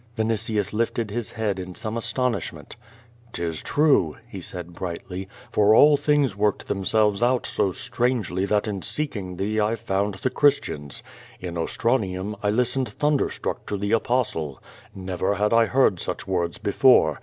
Mnitius lifted his head in some astonishment. "'Tis true," he said, brightly. "For all things worked themselves out so strangely that in seckiiig thee I foiind the Christians. In Ostranium riistened thuridersfruck to the Apostle. Never had I heard such words before.